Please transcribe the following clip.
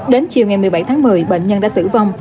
đến chiều ngày một mươi bảy tháng một mươi bệnh nhân đã tử vong